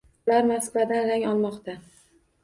Ular Moskvadan rang olmoqda